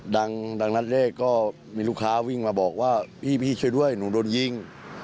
ดังนัดแรกก็มีลูกค้าวิ่งมาบอกว่าพี่ช่วยด้วยหนูโดนยิง